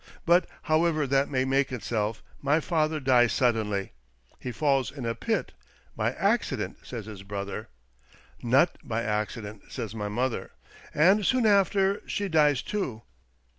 But however that may make itself, my father dies suddenly. He falls in a pit — by accident, says his brother; not by accident, says my mother ; and soon after, she dies too.